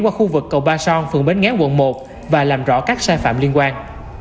qua khu vực cầu ba son phường bến ngán quận một và làm rõ các sai phạm liên quan